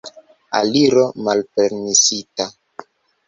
Aliro malpermesita.